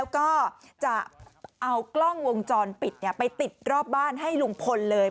แล้วก็จะเอากล้องวงจรปิดไปติดรอบบ้านให้ลุงพลเลย